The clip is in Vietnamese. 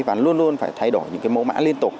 và luôn luôn phải thay đổi những mẫu mã